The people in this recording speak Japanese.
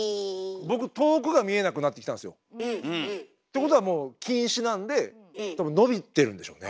僕遠くが見えなくなってきたんですよ。ってことはもう近視なんで多分のびてるんでしょうね。